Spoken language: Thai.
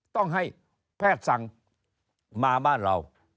ต้องให้แพทย์สั่งมาบ้านเรา